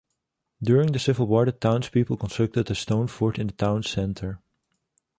During the Civil War the townspeople constructed a stone fort in the town center.